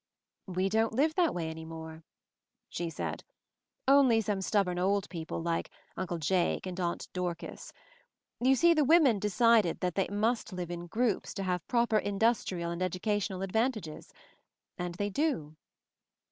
"We don't live that way any more/' she said. "Only some stubborn old people, like Uncle Jake and Aunt Dorcas. You see the 1 women decided that they must live in groups /\ 228 MOVING THE MOUNTAIN y to have proper industrial and educational advantages ; and they do."